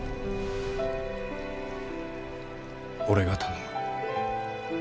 俺が頼む。